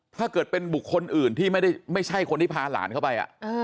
ถ้าเกิดเป็นบุคคลอื่นที่ไม่ใช่คนที่พาหลานเข้าไป